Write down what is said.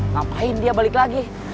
ngapain dia balik lagi